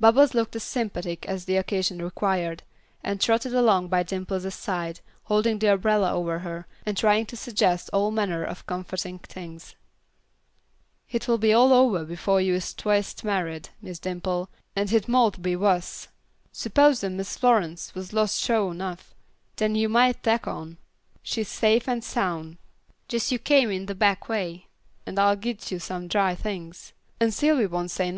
Bubbles looked as sympathetic as the occasion required, and trotted along by Dimple's side, holding the umbrella over her, and trying to suggest all manner of comforting things. "Hit'll all be ovah befo' yuh is twict married, Miss Dimple, and hit mought be wuss. S'posin' Miss Flo'ence was los' sho 'nough, den yuh might tek on. She safe an' soun'. Jes' yuh come in de back way, an' I'll git yuh some dry things. An' Sylvy won't say nothin'.